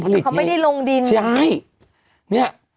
เขาไม่ได้ลงดินมั้ย